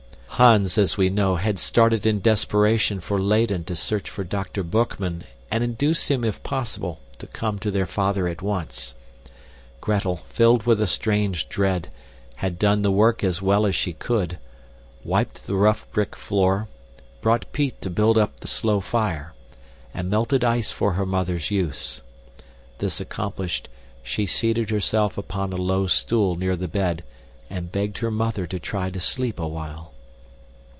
Hans, as we know, had started in desperation for Leyden to search for Dr. Boekman and induce him, if possible, to come to their father at once. Gretel, filled with a strange dread, had done the work as well as she could, wiped the rough brick floor, brought peat to build up the slow fire, and melted ice for her mother's use. This accomplished, she seated herself upon a low stool near the bed and begged her mother to try to sleep awhile.